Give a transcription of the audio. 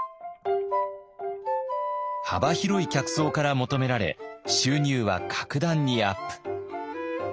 幅広い客層から求められ収入は格段にアップ。